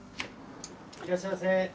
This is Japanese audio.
いらっしゃいませ。